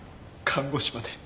看護師まで。